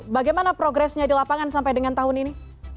bagaimana progresnya di lapangan sampai dengan tahun ini